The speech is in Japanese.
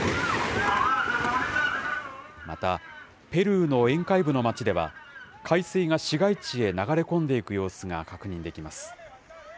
また、ペルーの沿海部の町では、海水が市街地へ流れ込んでいく様子が確認できます。